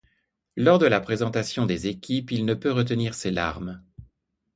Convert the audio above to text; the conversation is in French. Lors de la présentation des équipes, il ne peut retenir ses larmes.